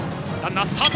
ランナースタート。